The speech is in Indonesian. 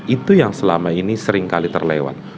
itu yang selama ini sering kali terlewat